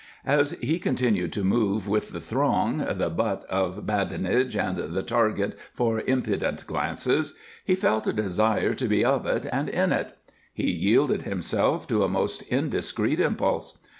As he continued to move with the throng, the butt of badinage and the target for impudent glances, he felt a desire to be of it and in it. He yielded himself to a most indiscreet impulse.